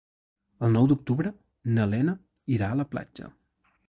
El nou d'octubre na Lena irà a la platja.